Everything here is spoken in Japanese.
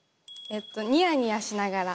「ニヤニヤしながら」。